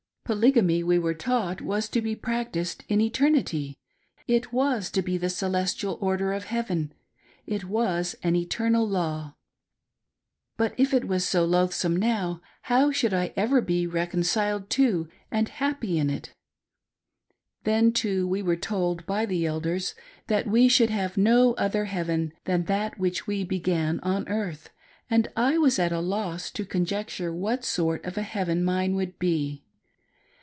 Polygamy, we were. taught, was to be practiced in eternity; it was to be the "Celestial Order of Heaven*'; it was an eternal law. But if it was so Joaitihsome now, how should I ever become reconciled to, and happy in, it } Then too we were told by the Elders that we should have no other heaven than that which we began on earth, and I was at a loss to conjecture what sort oi a heaven mine would be.